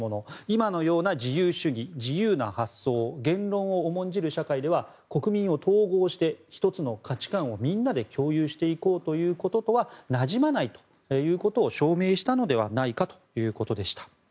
今のような自由主義、自由な発想言論を重んじる社会では国民を統合して１つの価値観をみんなで共有していこうということとはなじまないということを証明したのではないかということでした。